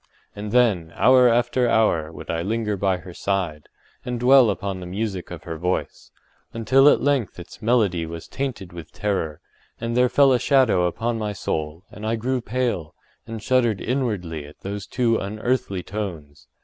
And then, hour after hour, would I linger by her side, and dwell upon the music of her voice, until at length its melody was tainted with terror, and there fell a shadow upon my soul, and I grew pale, and shuddered inwardly at those too unearthly tones.